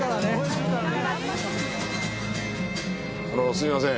あのすいません。